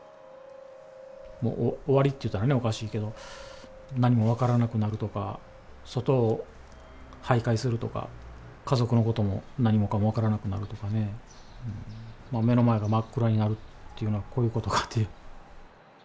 もう終わりって言ったらおかしいけど、何も分からなくなるとか、外をはいかいするとか、家族のことも何もかも分からなくなるとかね、目の前が真っ暗になるというのはこういうことかっていう。